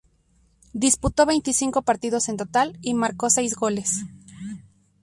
Disputó veinticinco partidos en total y marcó seis goles.